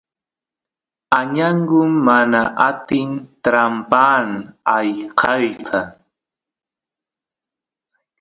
añangu mana atin trampaan ayqeyta